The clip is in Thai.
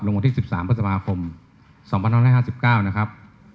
วันที่๑๓พฤษภาคม๒๕๕๙นะครับ